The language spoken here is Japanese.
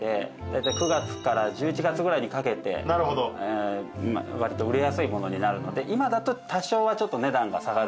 大体９月から１１月ぐらいにかけて割と売れやすいものになるので今だと多少はちょっと値段が下がる。